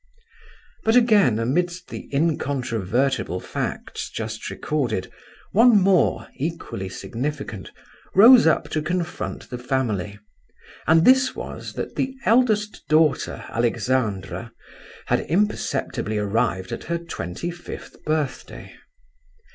But again, amidst the incontrovertible facts just recorded, one more, equally significant, rose up to confront the family; and this was, that the eldest daughter, Alexandra, had imperceptibly arrived at her twenty fifth birthday.